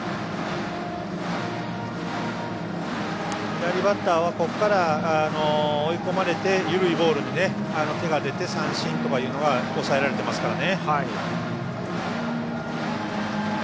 左バッターは、ここから追い込まれて、緩いボールに手が出て三振というのは抑えられてますからね。